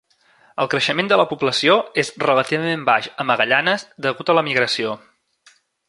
El creixement de la població es relativament baix a Magallanes degut a l"emigració.